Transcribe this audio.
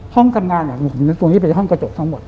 ห้องทำงานตัวนี้เป็นห้องกระจกทั้งหมด